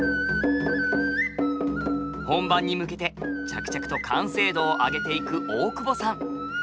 本番に向けて着々と完成度を上げていく大久保さん。